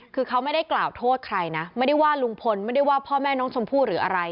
คือเขาไม่ได้กล่าวโทษใครนะไม่ได้ว่าลุงพลไม่ได้ว่าพ่อแม่น้องชมพู่หรืออะไร